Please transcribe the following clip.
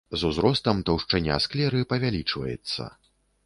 З узростам таўшчыня склеры павялічваецца.